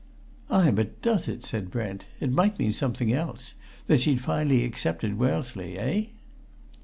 "Ay, but does it?" said Brent. "It might mean something else that she'd finally accepted Wellesley. Eh?"